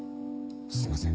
すいません。